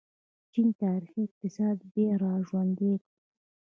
چین تاریخي اقتصاد بیا راژوندی کړ.